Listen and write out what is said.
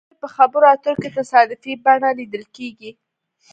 د دوی په خبرو اترو کې تصادفي بڼه لیدل کیږي